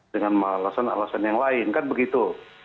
dengan alasan alasan yang lain kan begitu